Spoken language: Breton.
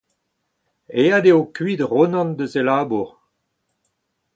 Aet eo kuit Ronan diouzh e labour.